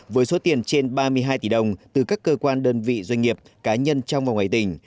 với số tiền trên ba mươi hai tỷ đồng từ các cơ quan đơn vị doanh nghiệp cá nhân trong và ngoài tỉnh